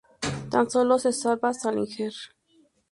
Tan solo se salva Salinger.